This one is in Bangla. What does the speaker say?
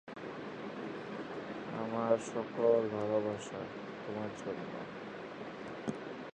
এই লোকসভা কেন্দ্রের সদর দফতর আগ্রা শহরে অবস্থিত।